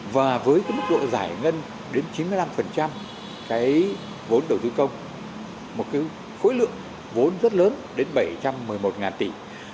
và với mức độ giải ngân đến chín mươi năm cái vốn đầu tư công một cái khối lượng vốn rất lớn đến bảy trăm một mươi một tỷ